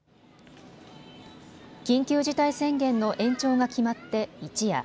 緊急事態宣言の延長が決まって一夜。